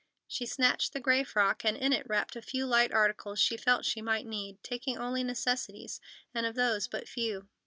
She snatched the gray frock, and in it wrapped a few light articles she felt she might need, taking only necessities, and of those but few.